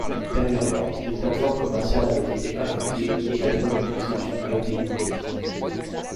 Ultérieurement, les plates-formes commerciales avaient été ajoutées et la troisième conception a été développée.